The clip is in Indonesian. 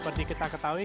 seperti kita ketahui